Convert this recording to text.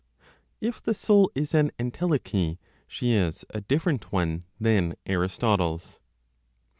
IF THE SOUL IS AN ENTELECHY, SHE IS A DIFFERENT ONE THAN ARISTOTLE'S.